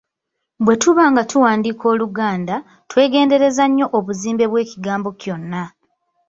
Bwetuba nga tuwandiika Oluganda, twegendereze nnyo obuzimbe bw'ekigambo kyonna.